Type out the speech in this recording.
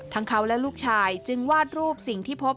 ทั้งเขาและลูกชายจึงวาดรูปสิ่งที่พบ